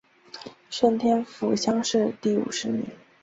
顺天府乡试第五十名。